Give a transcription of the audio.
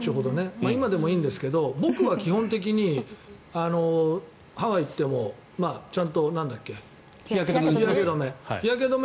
今でもいいんですけど僕は基本的にハワイに行ってもちゃんと日焼け止め。